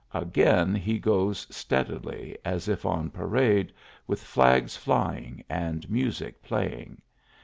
Again he goes steadily, as if on parade, with flags flying and music playing.